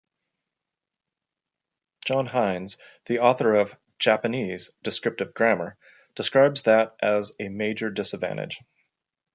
John Hinds, the author of "Japanese: Descriptive Grammar", describes that as "a major disadvantage.